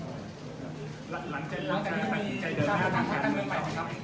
หลังจากนี้ไปอีกใจเดินไปนะครับ